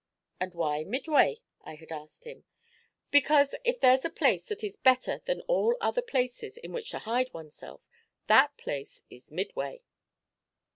'And why Midway?' I had asked him. 'Because, if there's a place that is better than all other places in which to hide one's self, that place is the Midway.'